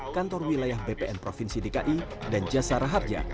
kantor wilayah bpn provinsi dki dan jasa rahatnya